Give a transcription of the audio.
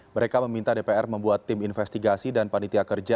mereka meminta dpr membuat tim investigasi dan panitia kerja